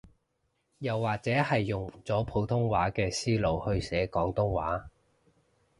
又或者係用咗普通話嘅思路去寫廣東話